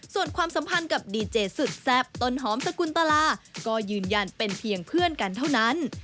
ส่วนความสัมพันธ์กับดีเจสุดแซ่บต้นหอมสกุลตลาก็ยืนยันเป็นเพียงเพื่อนกันเท่านั้น